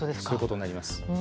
そうなります。